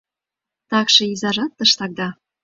Такше изажат тыштак да...